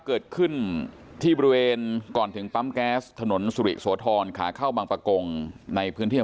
เกิดขึ้นที่บริเวณก่อนถึงปั๊มแก๊สถนนสุริโสธรขาเข้าบางประกงในพื้นที่